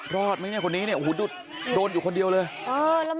รอดมั้ยเนี้ยคนนี้โดนอยู่คนเดียวเลย